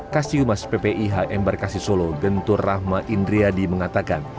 kasiumas ppih embarkasi solo gentur rahma indriyadi mengatakan